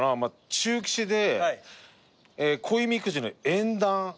中吉で恋みくじの縁談